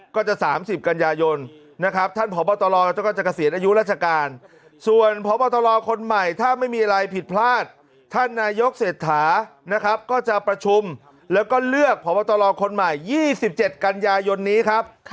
ก็จะประชุมแล้วก็เลือกพตคนใหม่๒๗กันยายนนี้ครับ